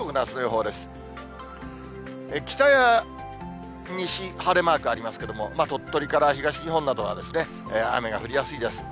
北や西、晴れマークありますけれども、鳥取から東日本などは、雨が降りやすいです。